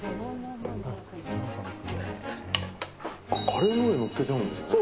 カレーの上にのっけちゃうんですね。